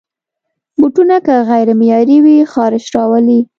بوټونه که غیر معیاري وي، خارش راولي.